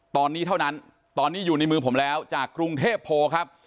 ตอนนี้เท่านั้นตอนนี้อยู่ในมือผมแล้วจากกรุงเทพโพครับ